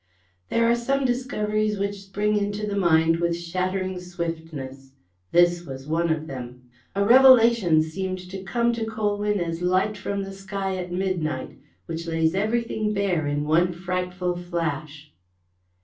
There are some discoveries which spring into the mind with shattering swiftness. This was one of them. A revelation seemed to come to Colwyn as light from the sky at midnight, which, lays everything bare in one frightful flash.